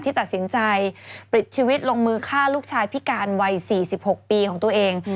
ตัดสินใจปลิดชีวิตลงมือฆ่าลูกชายพิการวัย๔๖ปีของตัวเอง